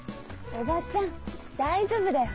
叔母ちゃん大丈夫だよ。